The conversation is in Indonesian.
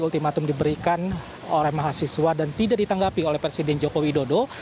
ultimatum diberikan oleh mahasiswa dan tidak ditanggapi oleh presiden joko widodo